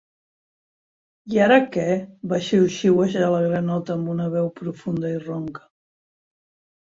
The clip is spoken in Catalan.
"I ara què?", va xiuxiuejar la granota amb una veu profunda i ronca.